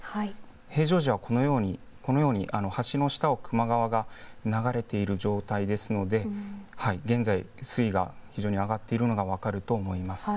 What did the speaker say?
平常時はこのように橋の下を球磨川が流れている状態ですので現在、水位が非常に上がっているのが分かると思います。